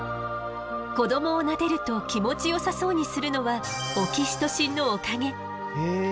子どもをなでると気持ちよさそうにするのはオキシトシンのおかげ。